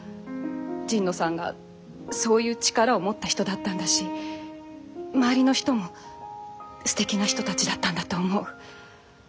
神野さんがそういう力を持った人だったんだし周りの人もすてきな人たちだったんだと思う。